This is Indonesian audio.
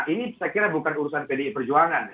ini saya kira bukan urusan pdi perjuangan